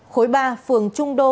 khối ba phường trung đô